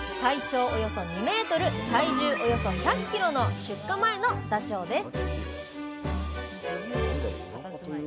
およそ２ｍ体重およそ１００ｋｇの出荷前のダチョウです